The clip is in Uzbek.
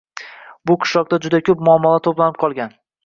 Bu qishloqda juda koʻp muammolar toʻplanib qolgan.